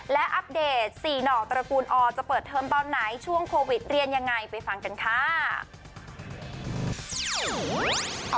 และอัปเดต๔หน่อตระกูลออจะเปิดเทอมตอนไหนช่วงโควิดเรียนยังไงไปฟังกันค่ะ